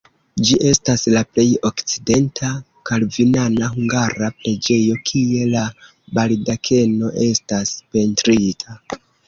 Ĝi estas la plej okcidenta kalvinana hungara preĝejo, kie la baldakeno estas pentrita.